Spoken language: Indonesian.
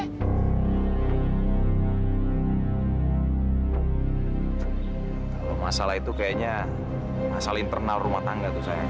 kalau masalah itu kayaknya asal internal rumah tangga tuh sayang